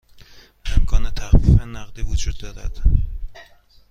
امکان تخفیف نقدی وجود دارد؟